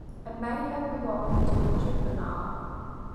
It may have belonged to a juvenile.